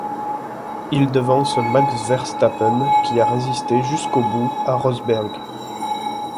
Il devance Max Verstappen qui a résisté jusqu'au bout à Rosberg.